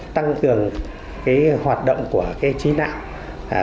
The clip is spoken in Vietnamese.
tăng cường cái hoạt động của cái trí nạo